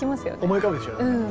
思い浮かぶでしょ。